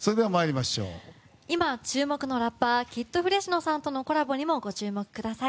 今注目のラッパーＫＩＤＦＲＥＳＩＮＯさんとのコラボにもご注目ください。